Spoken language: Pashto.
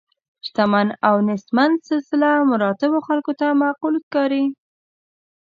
شتمن او نیستمن سلسله مراتبو خلکو ته معقول ښکاري.